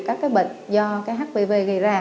các bệnh do cái hpv gây ra